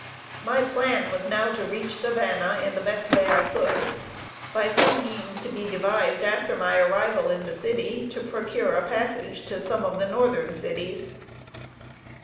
My plan was now to reach Savannah, in the best way I could, by some means to be devised after my arrival in the city, to procure a passage to some of the northern cities.